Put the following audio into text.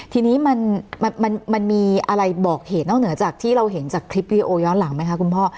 ทีนี้มันมีอะไรบอกเหตุนอกเหนือจากที่เราเห็นจากคลิปวิดีโอย้อนหลังไหมคะคุณพ่อ